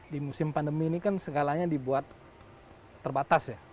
di musim pandemi ini kan segalanya dibuat terbatas ya